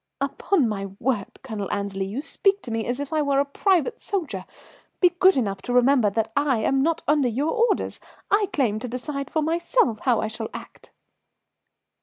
"Upon my word, Colonel Annesley, you speak to me as if I were a private soldier. Be good enough to remember that I am not under your orders. I claim to decide for myself how I shall act."